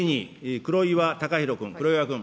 黒岩君。